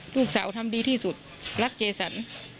ลูกสาวทำดีที่สุดรักเจสัน